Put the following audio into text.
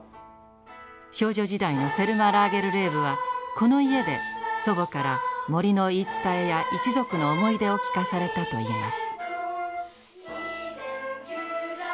少女時代のセルマ・ラーゲルレーブはこの家で祖母から森の言い伝えや一族の思い出を聞かされたといいます。